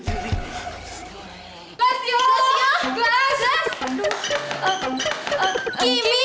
kimi diculik hani